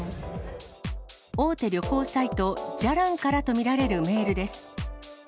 大手旅行サイト、じゃらんからと見られるメールです。